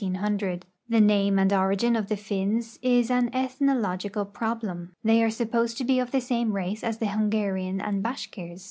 The name and origin of the Finns is an ethno logical problem. They are supposed to be of the same race as the Hungarian and Bashkirs.